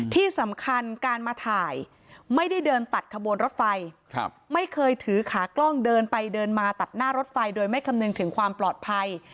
ที่สำคัญการมาถ่ายไม่ได้เดินตัดขบวนรถไฟไม่เคยถือขากล้องเดินไปเดินมาตัดหน้ารถไฟโดยไม่คำนึงถึงความปลอดภัย